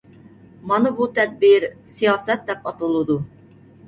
مانا بۇ تەدبىر سىياسەت دەپ ئاتىلىدۇ.